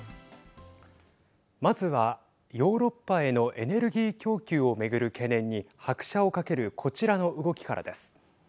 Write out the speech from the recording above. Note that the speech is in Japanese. まずは、ヨーロッパへのエネルギー供給を巡る懸念に拍車をかけるこちらの動きからです。